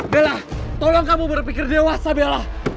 bella tolong kamu berpikir dewasa bella